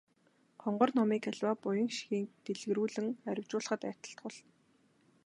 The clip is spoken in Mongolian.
Гонгор номыг аливаа буян хишгийг дэлгэрүүлэн арвижуулахад айлтгуулна.